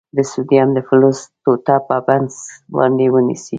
د سوډیم د فلز ټوټه په پنس باندې ونیسئ.